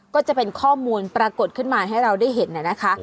ก็จะเป็นข้อมูลปรากฏขึ้นมาให้เราได้เห็นนะคะ